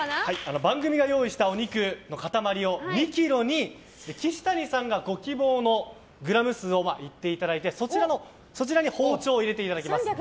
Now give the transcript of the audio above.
番組が用意したお肉の塊２ｋｇに岸谷さんがご希望のグラム数を言っていただいてそちらに包丁を入れていただきます。